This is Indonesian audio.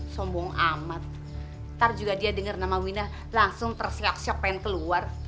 sombong amat ntar juga dia denger nama wina langsung tersiok siok pengen keluar